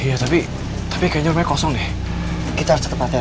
iya tapi tapi kayaknya rumahnya kosong deh